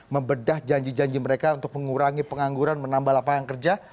membedah janji janji mereka untuk mengurangi pengangguran menambah lapangan kerja